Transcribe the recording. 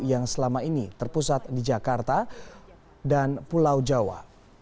yang selama ini terpusat di jakarta dan pulau jawa